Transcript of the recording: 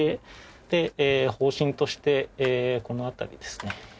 で方針としてこの辺りですね。